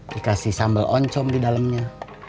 dikasih sambal oncom di dalamnya